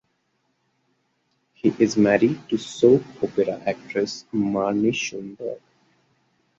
He is married to soap opera actress Marnie Schulenburg.